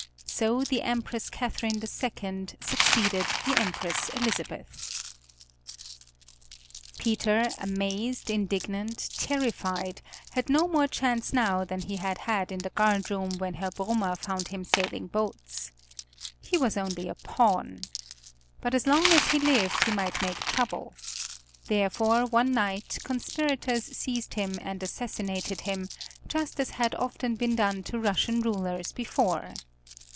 So the Empress Catherine II succeeded the Empress Elizabeth. [Illustration: CATHERINE THE GREAT From a painting by Rosselin] Peter, amazed, indignant, terrified, had no more chance now than he had had in the guard room when Herr Brummer found him sailing boats. He was only a pawn. But as long as he lived he might make trouble. Therefore one night conspirators seized him and assassinated him, just as had often been done to Russian rulers before.